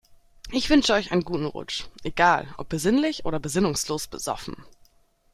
Ich wünsche euch einen guten Rutsch, egal ob besinnlich oder besinnungslos besoffen.